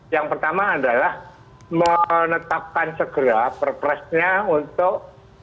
yang pertama adalah menetapkan segera perpresnya untuk